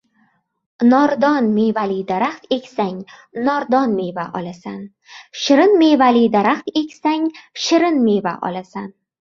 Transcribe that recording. • Nordon mevali daraxt esang nordon meva olasan, shirin mevali daraxt eksang shirin meva olasan.